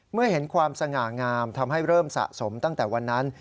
เมื่อเห็นความสง่างามทำให้เริ่มสะสมตั้งแต่วันนั้น